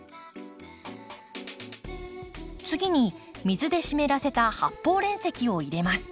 次に水で湿らせた発泡煉石を入れます。